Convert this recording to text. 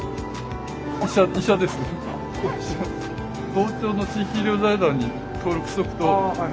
道庁の地域医療財団に登録しとくと。